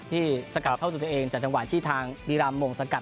สกัดเข้าตัวตัวเองจากจังหวะที่ทางบุรีรามมงสกัด